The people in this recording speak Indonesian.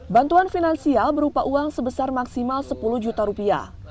bantuan finansial berupa uang sebesar maksimal sepuluh juta rupiah